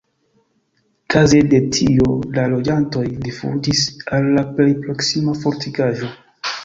Kaze de tio la loĝantoj rifuĝis al la plej proksima fortikaĵo.